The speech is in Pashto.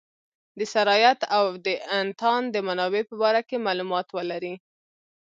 د سرایت او د انتان د منابع په باره کې معلومات ولري.